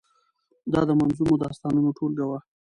دا د منظومو داستانو ټولګه وه.